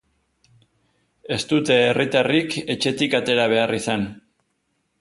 Ez dute herritarrik etxetik atera behar izan.